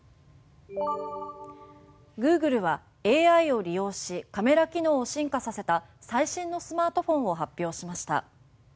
グーグルはＡＩを利用しカメラ機能を進化させた最新のスマートフォンを発表しました。